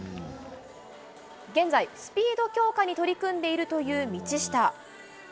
現在、スピード強化に取り組んでいるという道下。